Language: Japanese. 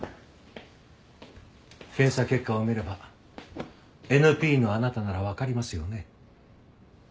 検査結果を見ればＮＰのあなたならわかりますよね。